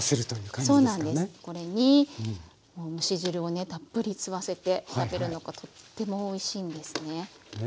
これに蒸し汁をねたっぷり吸わせて食べるのがとってもおいしいんですね。